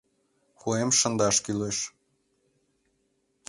— Куэм шындаш кӱлеш!